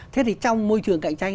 thế thì trong môi trường cạnh tranh